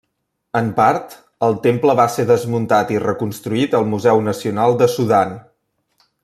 En part, el temple va ser desmuntat i reconstruït al Museu Nacional de Sudan.